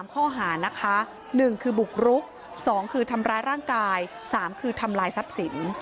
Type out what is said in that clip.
ข้อหานะคะ๑คือบุกรุก๒คือทำร้ายร่างกาย๓คือทำลายทรัพย์สิน